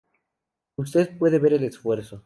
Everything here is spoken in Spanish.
Usted puede ver el esfuerzo.